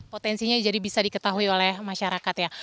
potensinya jadi bisa diketahui oleh masyarakat ya